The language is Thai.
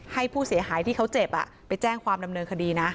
ให้ผู้เสียหายที่เขาเจ็บไปแจ้งความดำเนินคดีนะ